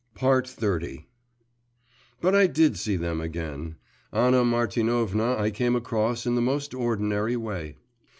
XXX But I did see them again. Anna Martinovna I came across in the most ordinary way.